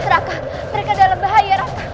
raka mereka dalam bahaya raka